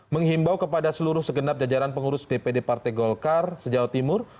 menghimbau kepada seluruh segenap jajaran pengurus dpd partai golkar sejauh timur